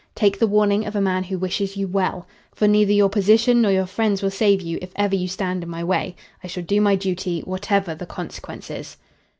Take the warning of a man who wishes you well. For neither your position nor your friends will save you if ever you stand in my way. I shall do my duty, whatever the consequences."